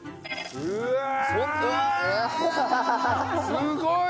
すごい！